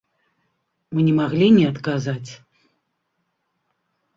Мы не маглі не адказаць.